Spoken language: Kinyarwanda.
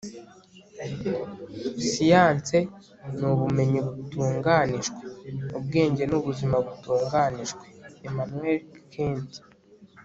siyanse ni ubumenyi butunganijwe. ubwenge ni ubuzima butunganijwe. - immanuel kant